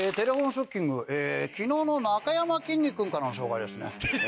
ショッキング昨日のなかやまきんに君からの紹介ですね。